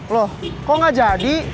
loh kok gak jadi